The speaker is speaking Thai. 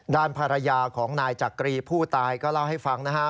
ด้านภรรยาของนายจักรีผู้ตายก็เล่าให้ฟังนะฮะ